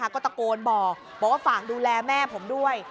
ก็ตะโกนบอกบอกว่าฝากดูแลแม่ผมด้วย